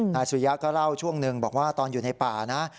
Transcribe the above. สุริยะก็เล่าช่วงหนึ่งบอกว่าตอนอยู่ในป่านะ